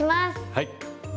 はい。